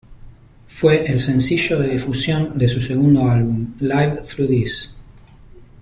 Fue el sencillo de difusión de su segundo álbum "Live Through This".